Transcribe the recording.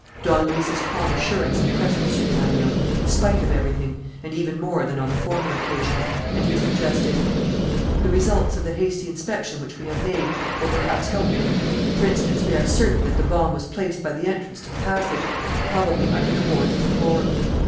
Don Luis's calm assurance impressed M. Desmalions in spite of everything and even more than on the former occasions; and he suggested: "The results of the hasty inspection which we have made will perhaps help you. For instance, we are certain that the bomb was placed by the entrance to the passage and probably under the boards of the floor."